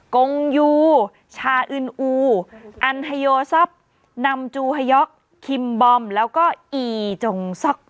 กงยูชาอึนอูอันฮโยซับนำจูฮยอกคิมบอมแล้วก็อีจงซ็อก